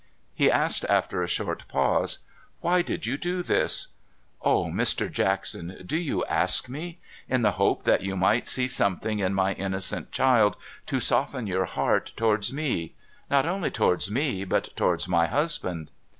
He asked, after a short pause, ' Why did you do this ?'' Oh, Mr. Jackson, do you ask me ? In the hope that you might see something in my innocent child to soften your heart towards me. Not only towards me, but towards my husband.'